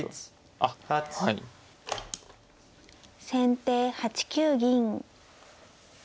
先手８九銀。